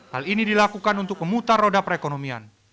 hal ini dilakukan untuk memutar roda perekonomian